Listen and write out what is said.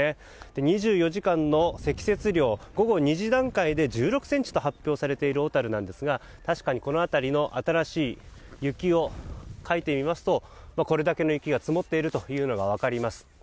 ２４時間の積雪量午後２時段階で１６ｃｍと発表されている小樽なんですが確かに、この辺りの新しい雪をかいてみますと、これだけの雪が積もっているのが分かります。